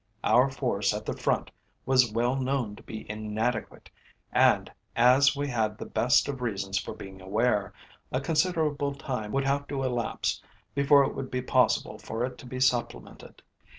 Our Force at the front was well known to be inadequate, and, as we had the best of reasons for being aware, a considerable time would have to elapse before it would be possible for it to be supplemented.